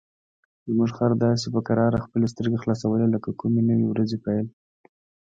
زموږ خر داسې په کراره خپلې سترګې خلاصوي لکه د کومې نوې ورځې پیل.